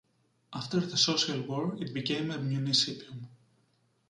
After the Social War it became a "municipium".